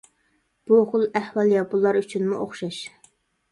بۇ خىل ئەھۋال ياپونلار ئۈچۈنمۇ ئوخشاش.